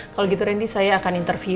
kalau gitu randy saya akan interview